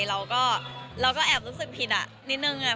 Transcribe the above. เราก็แอบรู้สึกผิดนิดนึง